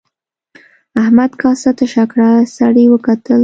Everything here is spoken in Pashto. احمد کاسه تشه کړه سړي وکتل.